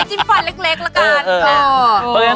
เอาหน่อยจิ้มฝันเล็กละกัน